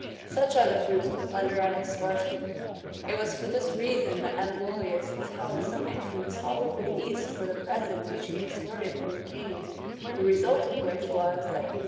Such are the fruits of plunder and extortion ! It was for this reason that M. Lollius ^' was held so infamous all over the East for the presents which he extorted from the kings ; the result of which was, that he was